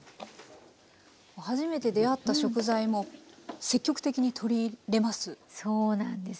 初めて出会った食材も積極的に取り入れます？